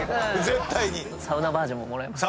サウナバージョンももらえます？